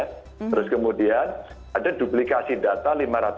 terus kemudian ada duplikasi data lima ratus sembilan belas